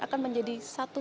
akan menjadi satu satunya